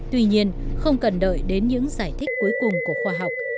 tuy nhiên không cần đợi đến những giải thích cuối cùng của khoa học